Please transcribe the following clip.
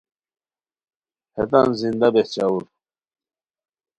ہیتان زندہ بہچاؤر